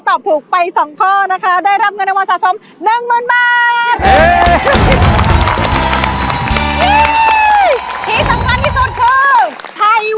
ตอบถูกไป๒ข้อนะคะได้รับเงินรางวัลสะสม๑๐๐๐บาท